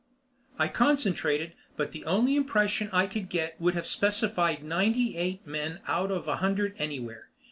I concentrated, but the only impression I could get would have specified ninety eight men out of a hundred anywhere.